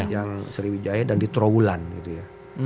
yang sriwijaya dan di trawulan gitu ya